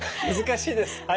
難しいです。